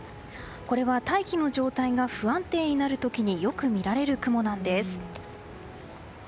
これは大気の状態が不安定になる時によく見られる雲なんです。